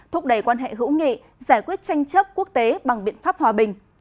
thúc đẩy quan hệ hữu nghị giải quyết tranh chấp quốc tế bằng biện pháp hòa bình